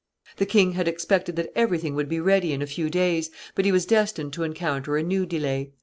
The king had expected that every thing would be ready in a few days, but he was destined to encounter a new delay.